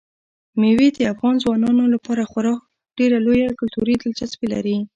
مېوې د افغان ځوانانو لپاره خورا ډېره لویه کلتوري دلچسپي لري.